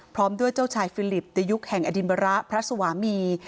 พร้อมด้วยเจ้าชายฟิลิปในยุคแห่งอดินบระพระสวามี